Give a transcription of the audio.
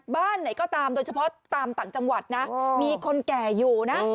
บ้านไหนก็ตามโดยเฉพาะตามต่างจังหวัดนะมีคนแก่อยู่นะ